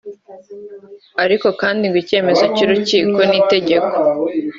ariko kandi ngo icyemezo cy’urukiko ni itegeko